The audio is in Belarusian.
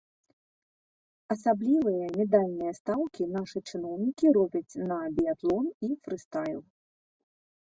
Асаблівыя медальныя стаўкі нашы чыноўнікі робяць на біятлон і фрыстайл.